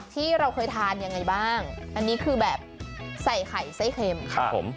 ที่เราเคยทานยังไงบ้างอันนี้คือแบบใส่ไข่ไส้เค็มครับผม